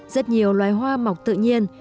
rất nhiều loài hoa mọc tự nhiên